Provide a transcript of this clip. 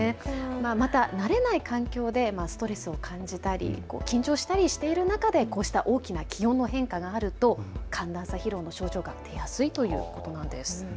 また慣れない環境でストレスを感じたり、緊張したりしている中でこうした大きな気温の変化があると寒暖差疲労の症状が出やすいということなんです。